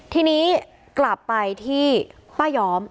ทีนี้กลับไปที่ป้าย้อม